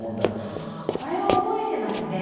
ああこれは覚えてますね。